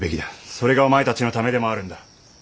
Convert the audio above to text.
それがお前たちのためでもあるんだ。